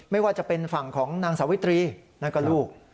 ไม่ว่าจะเป็นฝั่งของนางสาวิตรีนั่นก็ลูก